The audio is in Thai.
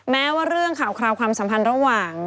แม้ว่าเรื่องข่าวคราวความสัมพันธ์ระหว่าง